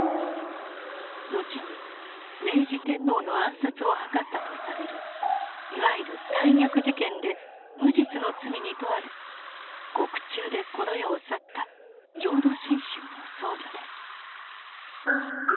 後に明治天皇の暗殺を謀ったとされるいわゆる「大逆事件」で無実の罪に問われ獄中でこの世を去った浄土真宗の僧侶です。